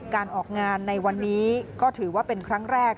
การออกงานในวันนี้ก็ถือว่าเป็นครั้งแรก